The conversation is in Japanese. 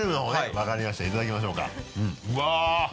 分かりましたいただきましょうかうわっ！